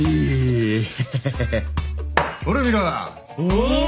お！